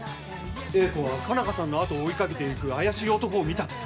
英子は佳奈花さんの後を追いかけていく怪しい男を見たと。